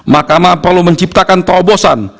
mahkamah perlu menciptakan terobosan